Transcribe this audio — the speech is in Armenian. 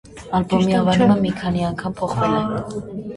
Ալբոմի անվանումը մի քանի անգամ փոխվել է։